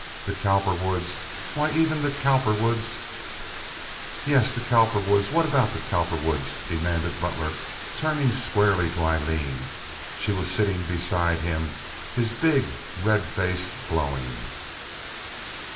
The Cowperwoods—why, even the Cowperwoods—" "Yes, the Cowperwoods! What about the Cowperwoods?" demanded Butler, turning squarely to Aileen—she was sitting beside him— his big, red face glowing.